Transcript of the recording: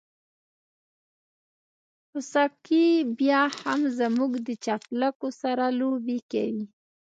خوسکي بيا هم زموږ د چپلکو سره لوبې کوي.